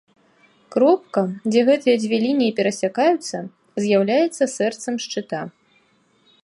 Кропка, дзе гэтыя дзве лініі перасякаюцца, з'яўляецца сэрцам шчыта.